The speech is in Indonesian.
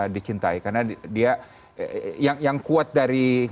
dicintai karena dia yang kuat dari